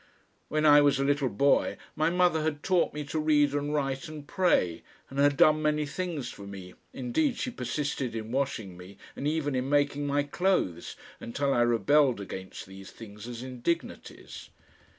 When I was a little boy my mother had taught me to read and write and pray and had done many things for me, indeed she persisted in washing me and even in making my clothes until I rebelled against these things as indignities.